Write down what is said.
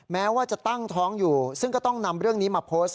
แม้ว่าจะตั้งท้องอยู่ซึ่งก็ต้องนำเรื่องนี้มาโพสต์